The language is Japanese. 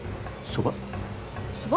そば？